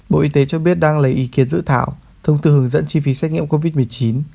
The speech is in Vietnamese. bộ y tế cho biết đang lấy ý kiến dự thảo thông tư hướng dẫn chi phí xét nghiệm covid một mươi chín